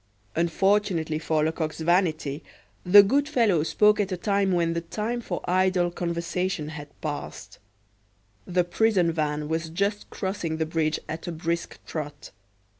Unfortunately for Lecoq's vanity, the good fellow spoke at a moment when the time for idle conversation had passed. The prison van was just crossing the bridge at a brisk trot.